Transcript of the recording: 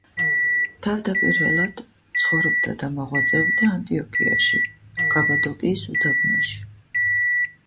თავდაპირველად, ცხოვრობდა და მოღვაწეობდა ანტიოქიაში კაბადოკიის უდაბნოში.